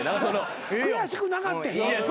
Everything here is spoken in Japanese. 悔しくなかってん。